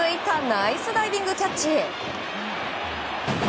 ナイスダイビングキャッチ！